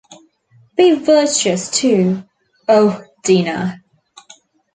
Be virtuous too, oh Dinah!